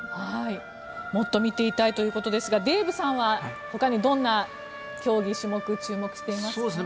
もっと見ていたいということですがデーブさんは他にどんな競技、種目注目していますか？